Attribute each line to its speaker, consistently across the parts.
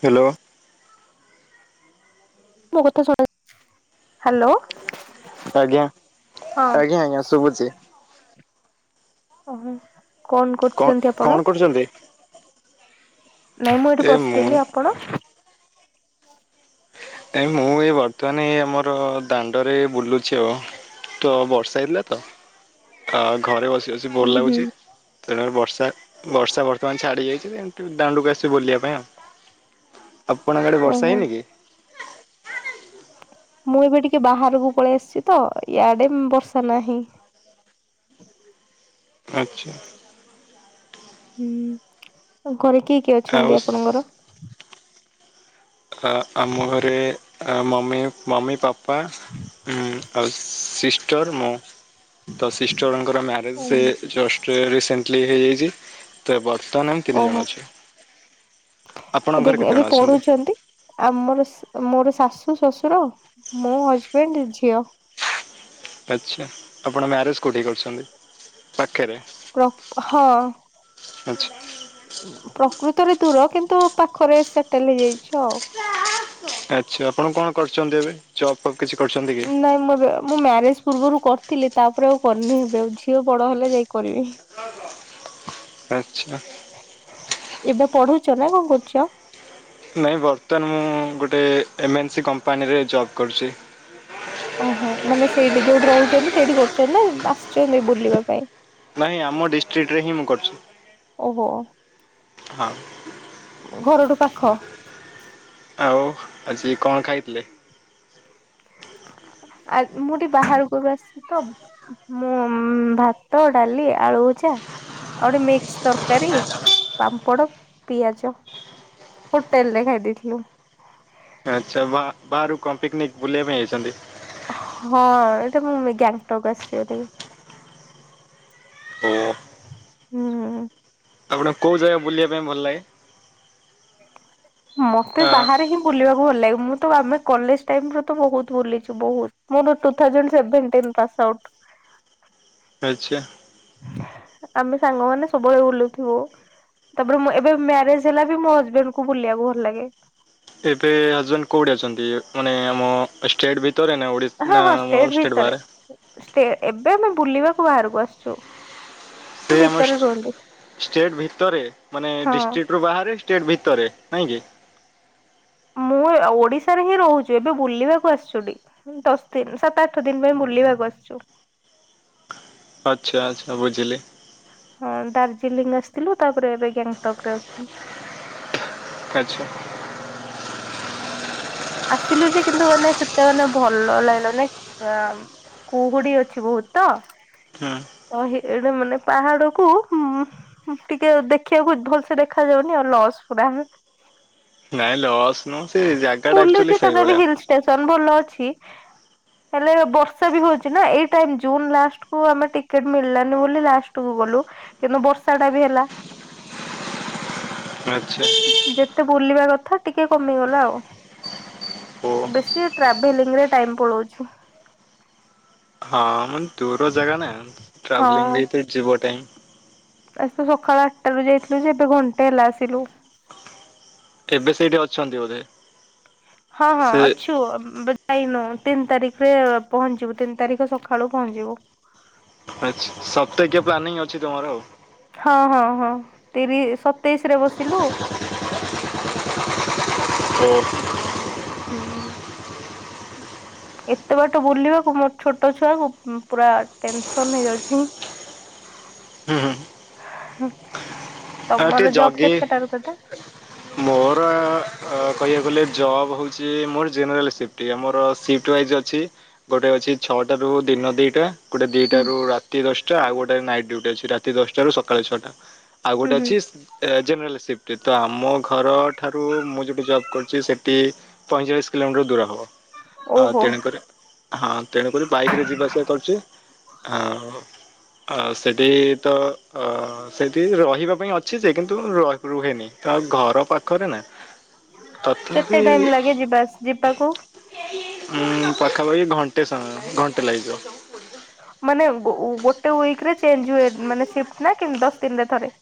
Speaker 1: Hello
Speaker 2: ମୋ କଥା ଶୁଣ, ହାଲୋ
Speaker 1: ଆଜ୍ଞା, ଆଜ୍ଞା ଆଜ୍ଞା ଶୁବୁଚି।
Speaker 2: ଓହୋ କଣ କରୁଛନ୍ତି ଆପଣ।
Speaker 1: ଛନ୍ତି
Speaker 2: ନାଇଁ ମୁଁ ଏଠି ବସିଥିଲି ଆପଣ?
Speaker 1: କାଇଁ ମୁଁ ଏଇ ବର୍ତ୍ତମାନ ଏଇ ଆମର ଦାଣ୍ଡରେ ବୁଲୁଚି ଆଉ ତ ବର୍ଷା ହେଇଥିଲା ତ ଘରେ ବସି ବସି
Speaker 2: ଉଁ
Speaker 1: ବୋର
Speaker 2: ହୁଁ।
Speaker 1: ଲାଗୁଚି। ତେଣୁ ବର୍ଷା ବର୍ଷା ବର୍ତ୍ତମାନ ଛାଡି ଯାଇଛି ଏମିତି ଦାଣ୍ଡୁକୁ ଆସିଛି ବୁଲିବା ପାଇଁ ଆଉ। ଆପଣଙ୍କ ଆଡେ ବର୍ଷା
Speaker 2: ଓହୋ
Speaker 1: ହେଇନି କି?
Speaker 2: ମୁଁ ଏବେ ଟିକେ ବାହାରକୁ ପଳେଇ ଆସିଛି ତ ଇଆଡେ ବର୍ଷା ନାହିଁ।
Speaker 1: ଆଚ୍ଛା
Speaker 2: ହୁଁ ଆଉ ଘରେ କିଏ କିଏ
Speaker 1: ଆଉ
Speaker 2: ଅଛନ୍ତି ଆପଣଙ୍କର।
Speaker 1: ହଁ ଆମ ଘରେ ଅ ମମି ମମି ପାପା ଉଁ ଆଉ ସିଷ୍ଟର ମୁଁ ତ ସିଷ୍ଟରଙ୍କ ମ୍ୟାରେଜ ଜଷ୍ଟ ରିସେଣ୍ଟଲି ହେଇଯାଇଛି। ତ ବର୍ତ୍ତମାନ ଆମେ ତିନି
Speaker 2: ଓହୋ
Speaker 1: ଜଣ ଅଛୁ ଆପଣଙ୍କ ଘରେ କେତେଜଣ ଅଛନ୍ତି।
Speaker 2: ଆଉ ମୋର ମୋର ଶାଶୁ ଶ୍ୱଶୁର ମୋ ହଜବେଣ୍ଡ ଝିଅ।
Speaker 1: ଆଛା ତ ଆପଣ ମ୍ୟାରେଜ କୋଉଠି କରିଛନ୍ତି ପାଖରେ।
Speaker 2: କ ହଁ
Speaker 1: ଆଚ୍ଛା
Speaker 2: ପ୍ରକୃତରେ ଦୂର କିନ୍ତୁ ପାଖରେ ସେଟେଲ ହେଇଯାଇଛି ଆଉ
Speaker 1: ଆଛା ଆପଣ କଣ କରୁଛନ୍ତି ଏବେ ଜବ ଫବ କିଛି କରିଛନ୍ତି କି?
Speaker 2: ନାଇଁ ମୁଁ ଏବେ ମୁଁ ମ୍ୟାରେଜ ପୂର୍ବରୁ କରିଥିଲି ତାପରେ ଆଉ କରିନି ଏବେ ଆଉ ଝିଅ ବଡ ହେଲେ ଯାଇ କରିବି।
Speaker 1: [inaudible] ଆଚ୍ଛା
Speaker 2: ଏବେ ପଢୁଛ ନା କଣ କରୁଚ।
Speaker 1: ନାଇଁ ବର୍ତ୍ତମାନ ମୁଁ ଗୋଟେ ଏମ୍ଏନ୍ ସି କମ୍ପାନୀରେ ଜବ୍ କରୁଛି।
Speaker 2: ଓହୋ ମାନେ ସେଇଠି ଯୋଉଠି ରହୁଛନ୍ତି ସେଇଠି କରୁଛନ୍ତି ନା ଆସିଛନ୍ତି ବୁଲିବା ପାଇଁ
Speaker 1: ନାହିଁ ଆମ ଡିଷ୍ଟ୍ରିକ୍ଟରେ ହିଁ ମୁଁ କରୁଛି
Speaker 2: ଓହୋ
Speaker 1: ହଁ
Speaker 2: ଘରଠୁ ପାଖ
Speaker 1: ଆଉ ଆଜି କଣ ଖାଇଥିଲେ ହୁଁ
Speaker 2: ଆ ମୁଁ ଟିକି ବାହାରକୁ ଏବେ ଆସିଛି ତ ମୁଁ ଭାତ, ଡାଲି, ଆଳୁଭଜା। ଆଉଗୋଟେ ମିକ୍ସ ତରକାରୀ, ପାମ୍ପଡ, ପିଆଜ। ହୋଟେଲ ରେ ଖାଇ ଦେଇଇଥିଲୁ।
Speaker 1: ଆଚ୍ଛା ବା ବାହାରୁ କଣ ପିକନିକ୍ ବୁଲିବା ପାଇଁ ଯାଇଛନ୍ତି?
Speaker 2: ହଁ, ଏଇଠି ମୁଁ ଗ୍ୟାଙ୍ଗଟକ୍ ଆସିଛି ଭାରି।
Speaker 1: ଓ
Speaker 2: ହୁଁ।
Speaker 1: ଆପଣଙ୍କୁ କୋଉ ଜାଗା ବୁଲିବା ପାଇଁ ଭଲ ଲାଗେ?
Speaker 2: ହଁ, ମତେ
Speaker 1: ଆଁ,
Speaker 2: ବାହାରେ ହିଁ ବୁଲିବାକୁ ଭଲ ଲାଗେ। ମୁଁ ତ ଆମେ କଲେଜ୍ ଟାଇମ୍ ରେ ତ ବୋହୁତ୍ ବୁଲିଛୁ ବୋହୁତ୍। ମୁଁ ତ two thousand seventeen pass. Out.
Speaker 1: ଆଚ୍ଛା।
Speaker 2: ଆମେ ସାଙ୍ଗମାନେ ସବୁବେଳେ ବୁଲୁଥିବୁ। ତାପରେ ମୁଁ ଏବେ ମ୍ୟାରେଜ୍ ହେଲା ବି ମୋ ହଜବେଣ୍ଡ ଙ୍କୁ ବୁଲିବାକୁ ଭଲ ଲାଗେ।
Speaker 1: ଏବେ ହଜବେଣ୍ଡ କୋଉଠି ଅଛନ୍ତି ମାନେ ଆମ ଷ୍ଟେଟ୍ ଭିତରେ ନା ଓଡିଶା
Speaker 2: ହଁ ହଁ, ଷ୍ଟେଟ୍ ଭିତରେ। ଷ୍ଟେ ଏବେ ଆମେ ବୁଲିବାକୁ ବାହାରକୁ ଆସିଛୁ।
Speaker 1: ସେ ଆମ
Speaker 2: ଭିତରେ ରୁହନ୍ତି
Speaker 1: ଷ୍ଟେଟ୍ ଭିତରେ ମାନେ
Speaker 2: ହଁ।
Speaker 1: ଡିଷ୍ଟ୍ରିକ୍ଟ ରୁ ବାହାରେ ଷ୍ଟେଟ୍ ଭିତରେ ନାଇଁକି
Speaker 2: ମୁଁ ଓଡିଶାରେ ହିଁ ରହୁଛି, ଏବେ ବୁଲିବାକୁ ଆସିଛୁ ଟିକେ। ଦଶ ଦିନ, ସାତ, ଆଠ ଦିନ ପାଇଁ ବୁଲିବାକୁ ଆସିଛୁ।
Speaker 1: ଆଚ୍ଛା ଆଚ୍ଛା, ବୁଝିଲି।
Speaker 2: ହଁ, ଦାର୍ଜିଲିଂ ଆସିଥିଲୁ। ତାପରେ ଏବେ ଗ୍ୟାଙ୍ଗଟକ୍ ରେ ଅଛୁ।
Speaker 1: ଆଚ୍ଛା।
Speaker 2: ଆସିଲୁ ଯେ କିନ୍ତୁ ମାନେ ସେତେ ମାନେ ଭଲ ଲାଗିଲାନି। କୁହୁଡ଼ି ଅଛି ବହୁତ ତ।
Speaker 1: ହୁଁ।
Speaker 2: ଏଇଠି ମାନେ ପାହାଡ କୁ ଟିକେ ଦେଖିବାକୁ ଭଲସେ ଦେଖା ଯାଉନି ଆଉ, ଲସ୍ ପୁରା।
Speaker 1: ନାଇଁ ଲସ୍ ନୁହଁ, ସେ ଯା
Speaker 2: ବୁଲୁଛି ତଥାପି ହିଲ୍ ଷ୍ଟେସନ୍ ଭଲ ଅଛି। ହେଲେ ବର୍ଷା ବି ହଉଛି ନା, ଏଇ ଟାଇମ୍ ଜୁନ ଲାଷ୍ଟ କୁ ଆମେ ଟିକେଟ ମିଳିଲାନି ବୋଲି ଲାଷ୍ଟ କୁ ଗଲୁ, କିନ୍ତୁ ବର୍ଷା ଟା ବି ହେଲା।
Speaker 1: [unintelligible] ଆଚ୍ଛା
Speaker 2: ଯେତେ ବୁଲିବା କଥା ଟିକେ କମିଗଲା ଆଉ।
Speaker 1: ଓ
Speaker 2: ବେଶୀ ଟ୍ରାଭେଲିଂ ରେ ଟାଇମ୍ ପଳଉଛି।
Speaker 1: ହଁ, ମାନେ ଦୂର ଜାଗା ନା
Speaker 2: ହଁ
Speaker 1: ଟ୍ରାଭେଲିଂ ରେ ହିଁ ତ ଯିବ ଟାଇମ୍।
Speaker 2: କାଲି ତ ସକାଳ ଆଠଟା ରୁ ଯାଇଥିଲୁ ଯେ ଏବେ ଘଣ୍ଟାଏ ହେଲା ଆସିଲୁ।
Speaker 1: ଏବେ ସେଇଠି ଅଛନ୍ତି ବୋଧେ।
Speaker 2: ହଁ ହଁ,
Speaker 1: ସେ
Speaker 2: ଅଛୁ। ଆଇ ନୋ, ତିନି ତାରିଖରେ ପହଞ୍ଚିବୁ ତିନି ତାରିଖ ସଖାଳୁ ପହଞ୍ଚିଯିବୁ।
Speaker 1: ଆଚ୍ଛା, ସପ୍ତାହେକା ପ୍ଲାନିଂ ଅଛି ତମର ଆଉ।
Speaker 2: ହଁ ହଁ ହଁ, ତିରିଶ, ସତେଇଶ ରେ ବସିଲୁ।
Speaker 1: ହ
Speaker 2: ହୁଁ। ଏତେ ବାଟ ବୁଲିବାକୁ ମୋର ଛୋଟ ଛୁଆକୁ ପୁରା ଟେନସନ୍ ହେଇଯାଉଛି।
Speaker 1: ହୁଁ ହୁଁ
Speaker 2: ହୁଁ,
Speaker 1: ଆଉ ଟିକେ
Speaker 2: ତମର ଜବ୍
Speaker 1: ଜଗି
Speaker 2: କେତେଟାରୁ କେଟା?
Speaker 1: ମୋର ଅ ଅ କହିଆକୁ ଗଲେ ଜବ୍ ହୋଉଛି ମୋର ଜେନେରାଲ ସିପ୍ଟି, ଆମର ସିପ୍ଟ୍ ୱାଇଜ୍ ଅଛି। ଗୋଟେ ଅଛି ଛଅଟା ରୁ ଦିନ ଦିଟା। ଗୋଟେ
Speaker 2: ହୁଁ
Speaker 1: ଦିଟାରୁ ରାତି ଦଶଟା ଆଉ ଗୋଟେ ନାଇଟ୍ ଡ୍ୟୁଟି ଅଛି ରାତି ଦଶଟାରୁ ସକାଳ ଛଅଟା ଆଉ
Speaker 2: ହୁଁ
Speaker 1: ଗୋଟେ
Speaker 2: ହୁଁ
Speaker 1: ଏ ଜେନରାଲ ସିପ୍ଟି, ତ ଆମ ଘର ଠାରୁ ମୁଁ ଯୋଉଠି ଜବ୍ କରୁଛି ସେଟି ପଇଁଚାଳିଶ୍ କିଲୋମିଟର ଦୂର ହବ ଆ
Speaker 2: ଓହୋ
Speaker 1: ତେଣୁ କରେ। ହଁଅଁ ତେଣୁକରି ବାଇକରେ ଯିବା ଆସିଆ କରୁଚି। ଆଉ ଆ ସେଟି ତ ଅ ସେଠି ରହିବା ପାଇଁ ଅ ଛି ଯେ କିନ୍ତୁ ର ରୁହେନି, ତ ଆଉ ଘର ପାଖରେ ନା।
Speaker 2: କେତେ
Speaker 1: ତଥାପି
Speaker 2: ଟାଇମ୍ ଲାଗେ ଯିବା ଆସ୍ ଯିବାକୁ?
Speaker 1: ମୁଁଉଁ ପାଖାପାଖି ଘଣ୍ଟେ ସଅ ଘଣ୍ଟେ ଲାଗିଯିବ।
Speaker 2: ମାନେ ଗୋ ଉ ଗୋଟେ ୱିକରେ ଚେଞ୍ଜ ହୁଏ, ମାନେ ସିପ୍ଟ ନା କିନ୍ ଦଶ ଦିନରେ ଥରେ।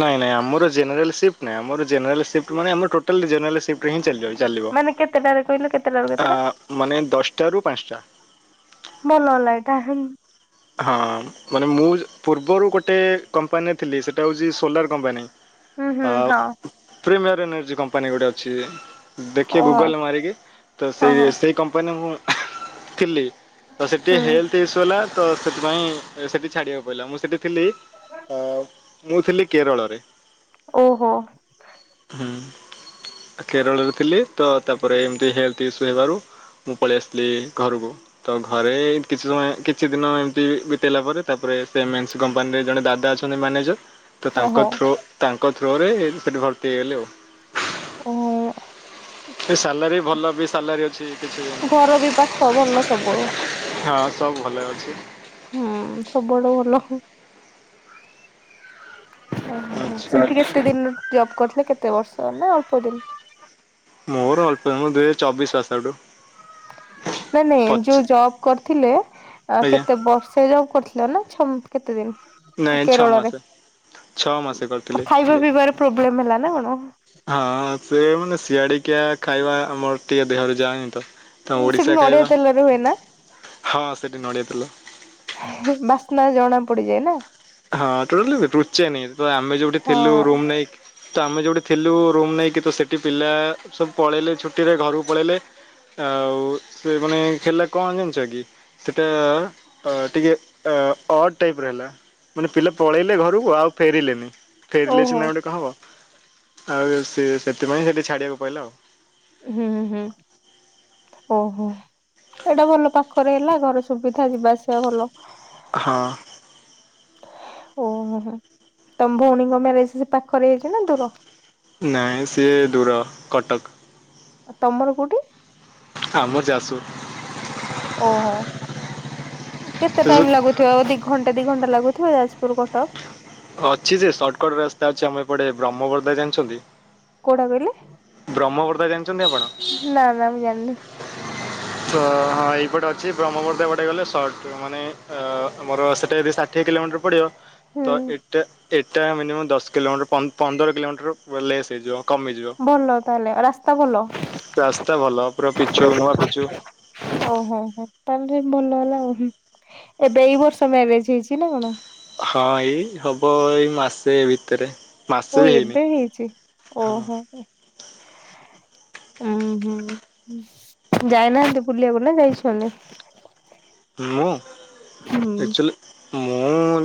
Speaker 1: ନାଇଁ ନାଇଁ ଆମର ଜେନେରାଲ ସିପ୍ଟ ନାଇଁ ଆମର ଜେରାଲ ସିପ୍ଟ ମାନେ ଆମର ଟୋଟାଲି ଜେରାଲ ସି ପ୍ଟ ହିଁ ଚାଲିବ ଚାଲିବ।
Speaker 2: ମାନେ କେତେଟାରେ କହିଲେ କେତେଟାରୁ
Speaker 1: ଆ
Speaker 2: କେତେଟା
Speaker 1: ମାନେ ଦଶଟାରୁ ପାଁସଟା।
Speaker 2: ଭଲ ହେଲା ଏଇଟା ହେଇ।
Speaker 1: ହଁଅ, ମାନେ ମୁଁଜ୍ ପୂର୍ବରୁ ଗୋଟେ କମ୍ପାନୀରେ ଥିଲି। ସେଟା ହୋଉଛି ସୋଲାର କମ୍ପାନୀ।
Speaker 2: ହୁଁ
Speaker 1: ଆ
Speaker 2: ହଁ
Speaker 1: ପ୍ରିମିଅର୍ ଏନର୍ଜି କମ୍ପାନୀ ଗୋଟେ ଅଛି। ଦେଖିଏ
Speaker 2: ଓ ହଁ
Speaker 1: ଗୁଗଲରେ ମାରିକି ତ ସେଇ
Speaker 2: ହଁ
Speaker 1: ସେଇ କମ୍ପାନୀରେ ମୁଁ ଥିଲି। ତ ସେଠି
Speaker 2: ହୁଁ।
Speaker 1: ହେଲଥ୍ ଇସ୍ୟୁ ହେଲା ତ ସେଥିପାଇଁ ସେଟି ଛାଡିଆକୁ ପଇଲା। ମୁଁ ସେଟି ଥିଲି। ଅ ମୁଁ ଥିଲି କେରଳରେ।
Speaker 2: ଓହୋ!
Speaker 1: ହୁଁଉଁ। କେରଳରେ ଥିଲି ତ ତାପରେ ଏମତି ହେଲଥ୍ ଇସ୍ୟୁ ହେବାରୁ ମୁଁ ପଳେଇ ଆସଥିଲି ଘରୁକୁ, ତ ଘରେ କିଛି ସମୟ କି ଛି ଦିନ ଏମତି ବିିତେଇଲା ପରେ ତାପରେ ସେ ମେନସ୍ କମ୍ପାନୀରେ ଜଣେ ଦାଦା ଅଛନ୍ତି ମ୍ୟାନେଜର୍ ତ
Speaker 2: ଓହୋ
Speaker 1: ତାଙ୍କ ଥ୍ରୋ ତାଙ୍କ ଥ୍ରୋରେ ସେଟି ଭର୍ତ୍ତି ହେଇଗଲି ଆଉ।
Speaker 2: ଓଁ ହ।
Speaker 1: ସୈ ସାଲାରୀ ଭଲ ବି ସାଲାରୀ ଅଛି କିଛି
Speaker 2: ଘର ବି ପାଖ ଭଲ ସବୁ।
Speaker 1: ହଁଅଁ ସବୁ ଭଲେ ଅଛି।
Speaker 2: ହୁଁଉଁ, ସବୁଆଡୁ ଭଲ ହୁଁ। ଓହୋ। ହୋ,
Speaker 1: ଅଛି
Speaker 2: ସେଠି କେତେ ଦିନ୍ ଜବ୍ କରଥିଲେ କେତେ ବର୍ଷ? ନା ଅଳ୍ପ ଦିନ୍।
Speaker 1: ମୋର ଅଳ୍ପ ମୁଁ ଦୁଇ ହଜା ଚବିଶ୍ ପାସ୍ ଆଉଟୁ।
Speaker 2: ନାଇଁ ନାଇଁ ଯୋଉ ଜବ୍ କରଥିଲେ,
Speaker 1: ଆଜ୍ଞା
Speaker 2: କେତେ ବର୍ଷେ ଜବ୍ କରଥିଲେ? [unintelligible] ଛମ୍ କେତେ ଦିନ୍
Speaker 1: ନାଇଁ ଛଅ ମାସ
Speaker 2: କେରଳରେ
Speaker 1: ଛଅ ମାସ କରିଥିଲି।
Speaker 2: ଖାଇବା ପିଇବାର ପ୍ରୋବ୍ଲେମ୍ ହେଲା ନା ଗଣ?
Speaker 1: ହଁ ହଁ ସେ ମାନେ ସିଆଡିକିଆ ଖାଇବା ଆମର ଟିକେ ଦେହରେ ଯାଏନି ତ। ତ
Speaker 2: ସେଠି
Speaker 1: ଓଡ଼ିଶା
Speaker 2: ନଡିଆ
Speaker 1: ଖାଇବା
Speaker 2: ତେଲରେ ହୁଏ ନା
Speaker 1: ହଁ ସେଟି ନଡ଼ିଆତେଲ।
Speaker 2: ହେ ଏ ବାସ୍ନା ଜଣା ପଡିଯାଏ ନା।
Speaker 1: ହଁ ଟୋଟାଲିବେ ରୁଚେନି ତ ଆମେ ଯୋଉଠି
Speaker 2: ହଁ
Speaker 1: ଥିଲୁ ରୁମ୍ ନେଇକି ତ ଆମେ ଯୋଉଟି ଥିଲୁ ରୁମ୍ ନେଇକି ତ ସେଟି ପିଲା ସବୁ ପଳେଇଲେ ଛୁଟିରେ ଘରୁକୁ ପଳେଇଲେ। ଆଉ ସେ ମାନେ ହେଲା କଣ ଜାଣିଚ କି? ସେଟା ଅ ଟିକେ ଅ ଅଡ୍ ଟାଇପ୍ ର ହେଲା। ମାନେ ପିଲା ପଳେଇଲେ ଘରୁକୁ ଆଉ ଫେରିଲେନି, ଫେରିଲେ
Speaker 2: ଓହୋ
Speaker 1: ସିନା ଗୋଟେ କଁ ହବ? ଆଉ ସିଏ ସେଥିପାଇଁ ସେଟି ଛାଡିଆକୁ ପଇଲା ଆଉ।
Speaker 2: ହୁଁ ହୁଁ। ଓହୋ ଏଇଟା ଭଲ ପାଖରେ ହେଲା ଘର ସୁବିଧା ଯିବା ଆସିବା ଭଲ।
Speaker 1: ହଁ।
Speaker 2: ଓହୋ ତମ ଭଉଣୀଙ୍କ ମ୍ୟାରେଜ୍ ସେ ପାଖରେ ହେଇଚି ନା ଦୂର?
Speaker 1: ନାଇଁ ସିଏ ଦୂର କଟକ୍।
Speaker 2: ଆଉ ତମର କୋଉଠି?
Speaker 1: ଆମର ଜାସପୁର୍।
Speaker 2: ଓହୋ କେତେ ଟାଇମ୍ ଲାଗୁ ଥୁବ ଦି ଘଣ୍ଟା ଦି ଘଣ୍ଟା ଲାଗୁଥୁବ ଯାଜପୁର ରୁ କଟକ?
Speaker 1: ଅଛି ଯେ ସର୍ଟକଟ୍ ରାସ୍ତା ଅଛି ଆମ ଏପଟେ ବ୍ରହ୍ମବର୍ଦା ଜାଣିଛନ୍ତି?
Speaker 2: କୋଉଟା କହିଲେ
Speaker 1: ବ୍ରହ୍ମବର୍ଦା ଜାଣିଛନ୍ତି ଆପଣ?
Speaker 2: ନା ନା ମୁଁ ଜାଣିନି
Speaker 1: ତ ହଁ ଏଇପଟେ ଅଛି ବ୍ରହ୍ମବର୍ଦା ଏବାଟେ ଗଲେ ସର୍ଟ ମାନେ ଅ ଆମର ସେଟା କେତେ ଷା ଦି କିଲୋମିଟର ପଡିବ। ତ
Speaker 2: ହୁଁ
Speaker 1: ଏଟା ଏଟା ମିନିମମ୍ ଦଶ କିଲୋମିଟର ପନ୍ଦର କିଲୋମିଟର ୱେ ଲେସ୍ ହେଇଯିବ। କମିଯିବ
Speaker 2: ଭଲ ତାହେଲେ ରାସ୍ତା ଭଲ
Speaker 1: ରାସ୍ତା ଭଲ ପୁରା ପିଚୁ ନୂଆ ପିଚୁ।
Speaker 2: ଓହୋ ହୋ ତାହେଲେ ଭଲ ହେଲା ଆଉ ହୁଁ। ଏବେ ଏଇ ବର୍ଷ ମ୍ୟାରେଜ ହେଇଛି ନା କଣ?
Speaker 1: ହଁ ଏଇ ହବ ଏଇ ମାସେ ଭିତେରେ।
Speaker 2: ଓ ଏବେ ହେଇଛି ଓହୋ ଏ ଉଁ ହୁଁ ହୁଁ। ଯାଇନାହାନ୍ତି ବୁଲିଆକୁ ନା ଯାଇଛନି?
Speaker 1: ମୁଁ
Speaker 2: ହୁଁ
Speaker 1: ଏକ୍ଚୁଲି ମୁଁ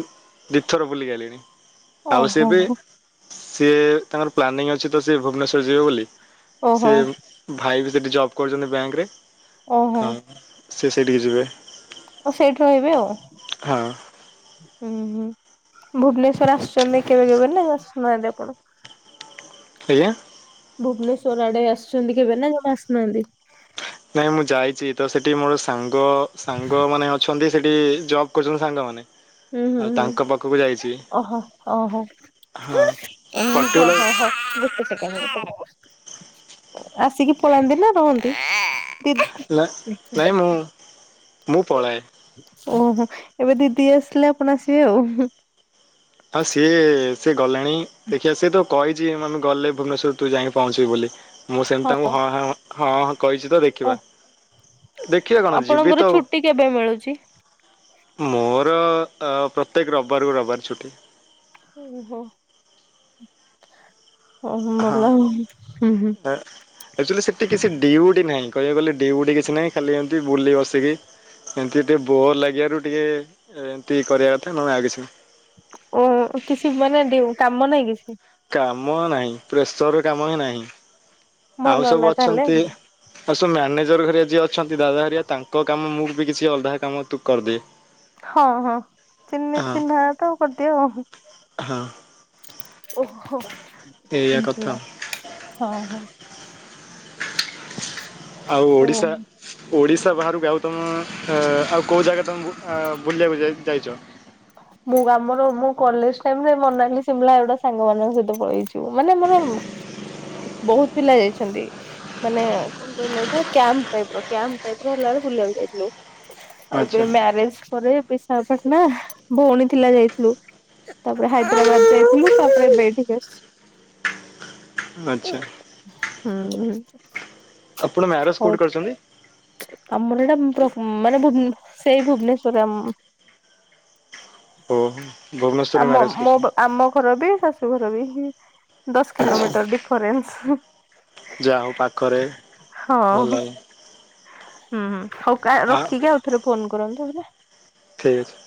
Speaker 1: ଦିଇଥର ବୁଲିକି ଆଇଲିଣି ଆଉ ସିଏ
Speaker 2: ଓହୋ
Speaker 1: ବି ସିଏ ତାଙ୍କର ପ୍ଲାନିଂ ଅଛି ତ ସିଏ ଭୁବନେଶ୍ୱର ଯିବେ ବୋଲି
Speaker 2: ଓହୋ
Speaker 1: ସିଏ ଭାଇ ବି ସେଠି ଜବ୍ କରୁଚନ୍ତି ବ୍ୟାଙ୍କ ରେ।
Speaker 2: ଓହୋ।
Speaker 1: ସିଏ ସେଇଠିକି ଯିବେ।
Speaker 2: ଓ ସେଇଠି ରହିବେ ଆଉ।
Speaker 1: ହଁ
Speaker 2: ହୁଁ ହୁଁ ଭୁବନେଶ୍ଵର ଆସୁଛନ୍ତି କେବେ କେବେ ନା ଆସୁନାହାନ୍ତି ଆପଣ?
Speaker 1: ଆଜ୍ଞା।
Speaker 2: ଭୁବନେଶ୍ଵର ଆଡେ ଆସୁଛନ୍ତି କେବେ ନା ଜମା ଆସୁନାହାନ୍ତି?
Speaker 1: ନାଇଁ ମୁଁ ଯାଇଛି ତ ସେଠି ମୋର ସାଙ୍ଗ ସାଙ୍ଗ ମାନେ ଅଛନ୍ତି। ସେଠି ଜବ୍ କରୁଛନ୍ତି ସାଙ୍ଗମାନେ।
Speaker 2: ହୁଁ ହୁଁ
Speaker 1: ଆଉ
Speaker 2: ହୁଁ
Speaker 1: ତାଙ୍କ ପାକୁକୁ ଯା
Speaker 2: ଓହୋ ଓ ହୋ
Speaker 1: ହଁ
Speaker 2: ଗୋଟେ ସେକେଣ୍ଡ
Speaker 1: ପର୍ଟିକୁଲାର
Speaker 2: ଗୋଟେ ସେକେଣ୍ଡ। ଆସିକି ପଳାନ୍ତି ନା ରହନ୍ତି ନା ରହନ୍ତି ଦିଦ
Speaker 1: ନା ନାଇଁ ମୁଁ ମୁଁ ପଳାଏ।
Speaker 2: ଓହୋ ଏବେ ଦିଦି ଆସିଲେ ଆପଣ ଆସିବେ ଆଉ।
Speaker 1: ହଁ ସିଏ ସିଏ ଗଲେଣି ଦେଖିବା ସେତ କହି ଚି ମାନେ ଗଲେ ଭୁବନେଶ୍ୱର ତୁ ଯାଇଁକି ପହଞ୍ଚିବୁ ବୋଲି। ମୁଁ ସେମିତି ତାଙ୍କୁ ହଁ ହାଁ ହଁ ହଁ ହଁ କହିଚି ତ
Speaker 2: ଓ
Speaker 1: ଦେଖିବା। ଦେଖିବା କଣ
Speaker 2: ଆପଣଙ୍କର
Speaker 1: ଯିବେତ ଆଉ।
Speaker 2: ଛୁଟି କେବେ ମିଳୁଛି?
Speaker 1: ମୋର ପ୍ରତ୍ୟେକ ରବବାରକୁ ରବବାର ଛୁଟି
Speaker 2: ଓହୋ ଓହୋ ଭଲ ଆଉ ହୁଁ ହୁଁ।
Speaker 1: ତା ଆକ୍ଚୁଆଲି ସେଠି କିଛି ଡିଉଟି ନାହିଁ କହିବାକୁ ଗଲେ ଡିଉଟି କିଛି ନାହିଁ ଖାଲି ଏମିତି ବୁଲି ବସିକି ଏମତି ଟିକେ ବୋର ଲାଗିବାରୁ ଟିକେ ଏମିତି କରିବା କଥା ନହେ ଆଉ କିଛି ନୁହେଁ।
Speaker 2: ଓ କିଛି ମାନେ ଡିଉ କାମ ନାହିଁ କିଛି?
Speaker 1: କାମ ନାହିଁ ପ୍ରେସର ର କାମ ହିଁ ନାହିଁ,
Speaker 2: ଭଲ
Speaker 1: ଆଉ
Speaker 2: ହେଲା
Speaker 1: ସବୁ
Speaker 2: ତାହେଲେ
Speaker 1: ଅଛନ୍ତି। ଆଉ ସବୁ ମ୍ୟାନେଜର ହେରିଆ ଯିଏ ଅଛନ୍ତି ଦାଦା ହେରିଆ ତାଙ୍କ କାମ ମୁଁ ବି କିଛି ଅଧା କାମ ତୁ କରିଦିଏ। [unintelligible]
Speaker 2: ହଁ ହଁ ଚିହ୍ନି
Speaker 1: ହଁ
Speaker 2: ଚିହ୍ନା ତ କରିଦିଅ ଆଉ।
Speaker 1: ହଁ
Speaker 2: ଓହୋ
Speaker 1: ଏଇଆ କଥା
Speaker 2: [unintelligible] ହଁ ହଁ।
Speaker 1: ଆଉ
Speaker 2: ଓ
Speaker 1: ଓଡିଶା ଓଡିଶା ବାହାରକୁ ଆଉ ତମ ଆଉ କୋଉ ଜାଗା ତମକୁ ଆ ବୁଲିବାକୁ ବୁଲି ଯାଇଛ?
Speaker 2: ମୁଁ ଆମର ମୋ କଲେଜ ଟାଇମ ରେ ମନାଲି ସିମଳା ହେରିକା ସାଙ୍ଗ ମାନଙ୍କ ସହିତ ପଳେଇଆଇଛି। ମାନେ ମୋର ବହୁତ ପିଲା ଯାଇଛନ୍ତି। ମାନେ କଣ କହିଲ ଗୋଟାଏ କ୍ୟାମ୍ପ ଟାଇପ ର କ୍ୟାମ୍ପ ଟାଇପର ହେଲାବେଳେ ବୁଲିବାକୁ ଯାଇଥିଲୁ। ଆଉ
Speaker 1: ଆଚ୍ଛା
Speaker 2: ଏବେ ମ୍ୟାରେଜ ପରେ ବିଶାଖାପଟଣା। ଭଉଣୀ ଥିଲା ଯାଇଥିଲୁ ତାପରେ ହାଇଦ୍ରାବାଦ ଯାଇଥିଲୁ ତାପରେ ଏବେ ଏଇଠି କି ଆସିଛୁ।
Speaker 1: ଆଚ୍ଛା।
Speaker 2: ହୁଁ ହୁଁ।
Speaker 1: ଆପଣ ମ୍ୟାରେଜ କୋଉଠି କରିଛନ୍ତି?
Speaker 2: ଆମର ଏଇଟା ମାନେ ଭୁବ ସେଇ ଭୁବନେଶ୍ୱର ଉଁ।
Speaker 1: ଓହୋ। ଭୁବନେଶ୍ୱରରେ
Speaker 2: ଆମ
Speaker 1: ମ୍ୟାରେଜ
Speaker 2: ମୋ
Speaker 1: କରିଛନ୍ତି।
Speaker 2: ଆମ ଘର ବି ଶାଶୁ ଘର ବି। ଦଶ
Speaker 1: ଅଛି
Speaker 2: କିଲୋମିଟର ଡିଫରେନ୍ସ
Speaker 1: ଯାହା ହଉ ପାଖରେ ଭଲ
Speaker 2: ହଁ।
Speaker 1: ହେଲା
Speaker 2: ହୁଁଁ ହଉ ରଖିକି ଆଉ ଥରେ ଫୋନ କରନ୍ତୁ ହେଲା।
Speaker 1: ଠିକ୍ ଅଛି।